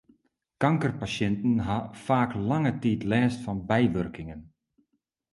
Kankerpasjinten ha faak lange tiid lêst fan bywurkingen.